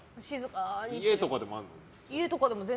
家とかでもあるの？